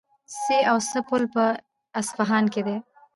سي او سه پل په اصفهان کې دی.